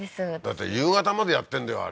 だって夕方までやってんだよ